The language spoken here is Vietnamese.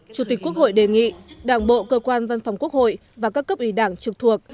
chủ tịch quốc hội đề nghị đảng bộ cơ quan văn phòng quốc hội và các cấp ủy đảng trực thuộc